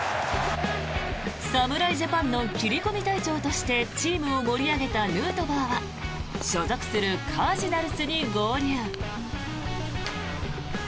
侍ジャパンの切り込み隊長としてチームを盛り上げたヌートバーは所属するカージナルスに合流。